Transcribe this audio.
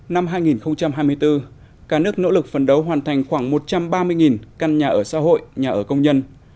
năm hai nghìn hai mươi bốn cả nước nỗ lực phấn đấu hoàn thành khoảng một trăm ba mươi căn nhà ở xã hội nhà ở công nhân